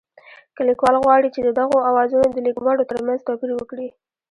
که لیکوال غواړي چې د دغو آوازونو د لیکبڼو ترمنځ توپیر وکړي